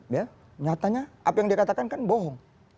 ya nyatanya apa yang dikatakan kan bohong